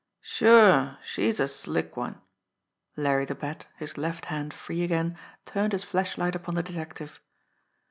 "Sure, she's a slick one!" Larry the Bat, his left hand free again, turned his flashlight upon the detective.